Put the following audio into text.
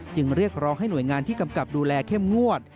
เรียกร้องให้หน่วยงานที่กำกับดูแลเข้มงวด